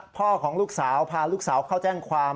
ของลูกสาวพาลูกสาวเข้าแจ้งความ